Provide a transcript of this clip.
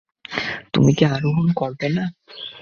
তুমি কি আরোহণ করবে না?